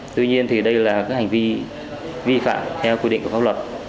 tuy nhiên thì đây là các hành vi vi phạm theo quy định của pháp luật